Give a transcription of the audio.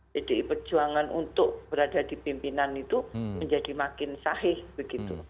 jadi perjuangan untuk berada di pimpinan itu menjadi makin sahih begitu